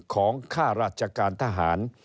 ข้าราชการทหาร